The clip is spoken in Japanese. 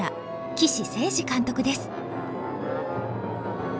岸誠二監督です。